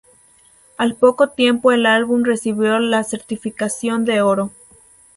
Al poco tiempo el álbum recibió la certificación de oro.